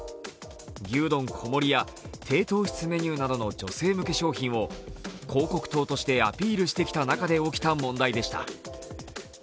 牛丼小盛りや低糖質メニューなどの女性向け商品を広告塔としてアピールしてきた中での問題でした。